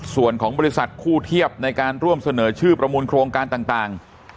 ส่วนของบริษัทคู่เทียบในการร่วมเสนอชื่อประมูลโครงการต่าง